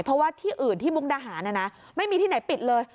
เพราะว่าที่อื่นที่มุกดาหารไม่มีที่ไหนปิดเลย